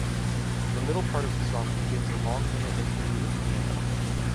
The middle part of the song contains a long minute interlude of piano.